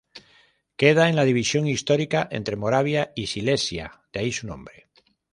Queda en la división histórica entre Moravia y Silesia, de ahí su nombre.